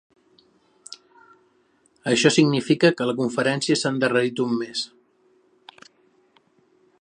Això significa que la conferència s'ha endarrerit un mes.